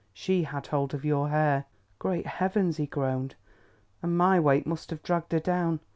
She had hold of your hair." "Great heavens!" he groaned, "and my weight must have dragged her down.